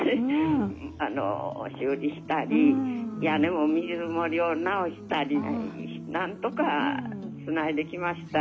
あの修理したり屋根も水漏れを直したりなんとかつないできました。